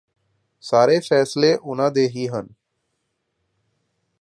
ਸਾਰੇ ਫੈਸਲੇ ਉਹਨਾਂ ਦੇ ਹੀ ਹਨ